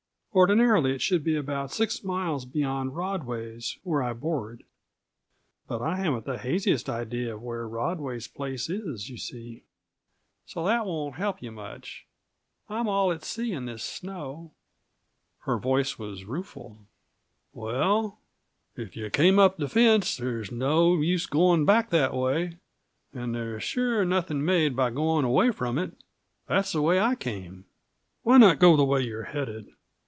"Ordinarily it should be about six miles beyond Rodway's, where I board. But I haven't the haziest idea of where Rodway's place is, you see; so that won't help you much. I'm all at sea in this snow." Her voice was rueful. "Well, if you came up the fence, there's no use going back that way; and there's sure nothing made by going away from it. that's the way I came. Why not go on the way you're headed?"